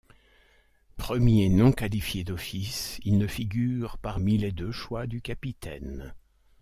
Premier non qualifié d'office, il ne figure parmi les deux choix du capitaine.